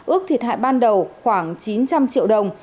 ước thiệt hại ban đầu khoảng chín trăm linh triệu đồng